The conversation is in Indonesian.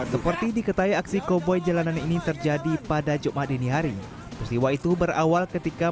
seperti diketahui aksi koboi jalanan ini terjadi pada jumat dini hari peristiwa itu berawal ketika